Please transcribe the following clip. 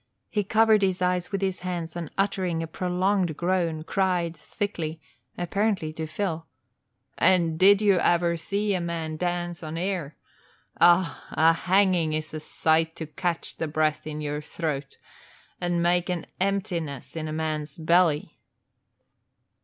He covered his eyes with his hands and uttering a prolonged groan, cried thickly, apparently to Phil, "And did you ever see a man dance on air! Ah, a hanging is a sight to catch the breath in your throat and make an emptiness in a man's belly!"